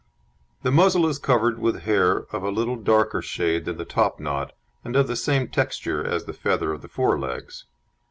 The muzzle is covered with hair of a little darker shade than the topknot, and of the same texture as the feather of the fore legs.